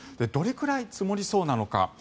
どれくらい積もりそうなのか。